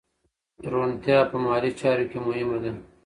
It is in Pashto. روڼتیا په مالي چارو کې مهمه ده.